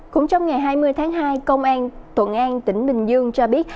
cũng trong ngày hai mươi tháng hai công an thuận an tỉnh bình dương cho biết